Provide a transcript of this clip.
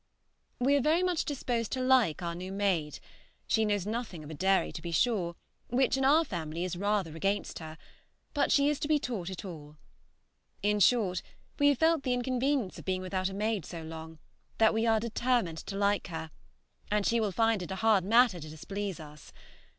We are very much disposed to like our new maid; she knows nothing of a dairy, to be sure, which, in our family, is rather against her, but she is to be taught it all. In short, we have felt the inconvenience of being without a maid so long, that we are determined to like her, and she will find it a hard matter to displease us.